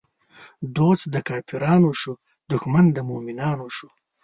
دوست د کافرانو شو، دښمن د مومنانو شو